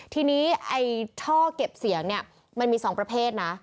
ทีนี้ท่อเก็บเสียงมันมีสองประเภทนะ